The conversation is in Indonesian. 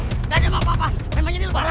gak ada apa apa emang jadi lebaran